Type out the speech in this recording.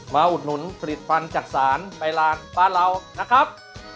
อุดหนุนผลิตฟันจักษานไปลานบ้านเรานะครับ